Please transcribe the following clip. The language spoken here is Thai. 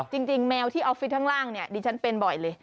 จริงแมวที่ออฟฟิศข้างล่างดิฉันเป็นบ่อยเลย